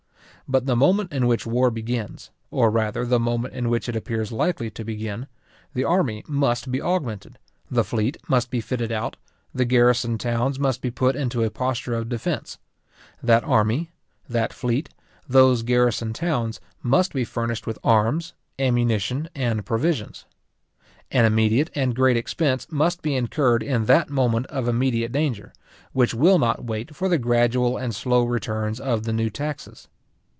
But the moment in which war begins, or rather the moment in which it appears likely to begin, the army must be augmented, the fleet must be fitted out, the garrisoned towns must be put into a posture of defence; that army, that fleet, those garrisoned towns, must be furnished with arms, ammunition, and provisions. An immediate and great expense must be incurred in that moment of immediate danger, which will not wait for the gradual and slow returns of the new taxes.